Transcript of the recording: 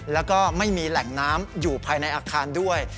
แล้วก็ไม่มีแหล่งน้ำอยู่ภายในอาคารด้วย